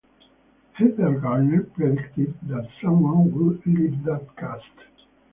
Heather Gardner predicted that someone would leave that cast.